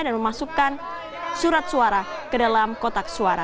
dan memasukkan surat suara ke dalam kotak suara